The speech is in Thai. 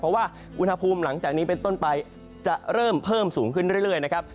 เพราะว่าอุณหภูมิหลังจากนี้เป็นต้นไปจะเริ่มเพิ่มสูงขึ้นเรื่อยนะครับ